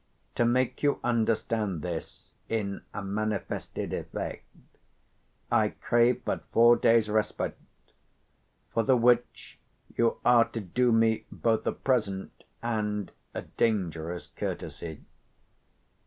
To make you understand this in a manifested effect, I crave but four days' respite; for the which you are to do me both a present and a dangerous courtesy.